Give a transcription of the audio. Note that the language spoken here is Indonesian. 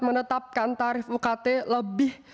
menetapkan tarif ukt lebih